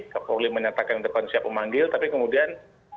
kapolri menyatakan depan siap pemanggil tapi kemudian